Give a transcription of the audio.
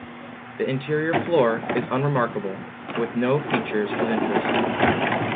The interior floor is unremarkable, with no features of interest.